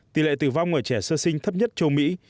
tỷ lệ tử vong ở trẻ sơ sinh thấp nhất châu mỹ